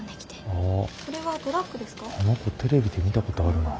ああの子テレビで見たことあるな。